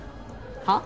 はっ？